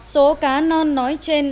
số cá non nói trên